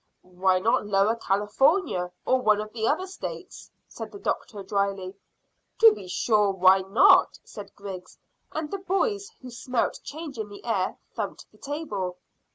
"Why not Lower California, or one of the other States?" said the doctor dryly. "To be sure, why not?" said Griggs, and the boys, who smelt change in the air, thumped the table.